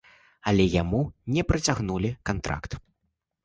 Але яму не працягнулі кантракт.